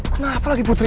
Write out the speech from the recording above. kenapa lagi putri